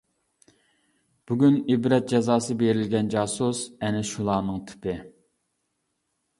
بۈگۈن ئىبرەت جازاسى بېرىلگەن جاسۇس ئەنە شۇلارنىڭ تىپى.